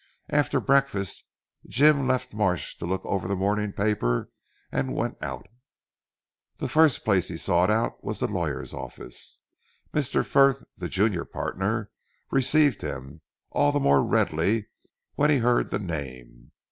After breakfast Jim left Marsh to look over the morning paper, and went out. The first place he sought out was the lawyer's office. Mr. Frith the junior partner received him, all the more readily, when he heard the name.